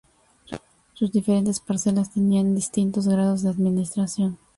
Sus diferentes parcelas tenían distintos grados de administración.